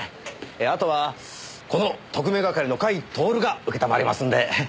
あとはこの特命係の甲斐享が承りますんで。